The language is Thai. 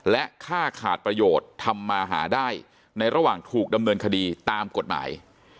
และค่าขาดประโยชน์ทำมาหาได้ในระหว่างถูกดำเนินคดีตามกฎหมาย